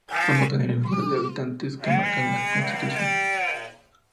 Por no tener el número de habitantes que marca la constitución.